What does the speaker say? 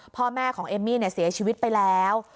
พ่อแม่ของเอมมี่เสียชีวิตไปแล้ว